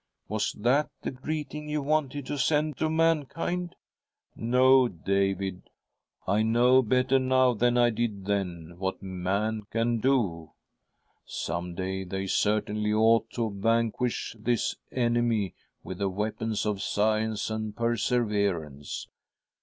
" Was that the greeting you wanted to send to mankind ?"" No, David. I know better now than I did • then what man can do. Some day. the.y certainly ought to vanquish this enemy with the weapons of science and perseverance.